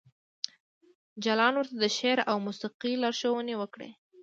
جلان ورته د شعر او موسیقۍ لارښوونې وکړې